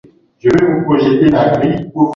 Hadi mwaka elfu mbili na kumi na tatu